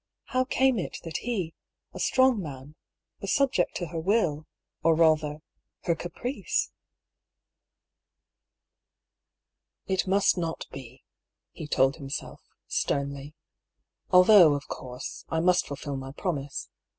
How came it that he, a strong man, was subject to her will, or rather, her caprice ? "It must not be," he told himself, sternly; "al though, of course, I must fulfil my promise.